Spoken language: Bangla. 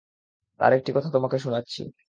তার একটি কথা তোমাকে শুনাচ্ছি।